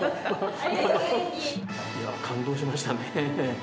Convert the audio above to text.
感動しましたね。